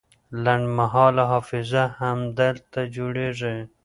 لنډمهاله حافظه همدلته جوړیږي.